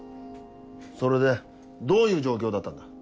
それでどういう状況だったんだ。